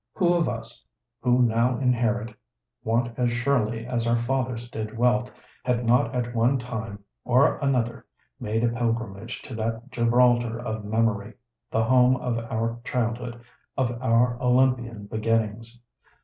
Who of us, who now inherit want as surely as our fathers did wealth, has not at one time or another made a pilgrimage to that Gibraltar of memory, the home of our childhood, of our Olympian beginnings?